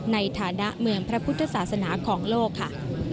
ในฐานะเมืองพระพุทธศาสนาของโลกค่ะ